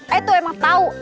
ayah tuh emang tau